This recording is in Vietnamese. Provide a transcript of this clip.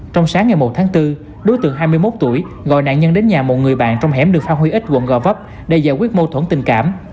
trong sáng ngày một tháng bốn đối tượng hai mươi một tuổi gọi nạn nhân đến nhà một người bạn trong hẻm đường phan huy ích quận gò vấp để giải quyết mâu thuẫn tình cảm